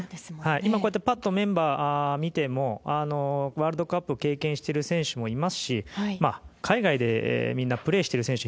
今、パッとメンバーを見てもワールドカップを経験している選手もいますし海外でみんなプレーしている選手